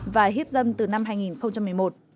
và hiếp dâm từ năm hai nghìn một mươi một